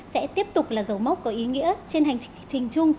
sẽ tiếp tục là dấu mốc có ý nghĩa trên hành trình trình chung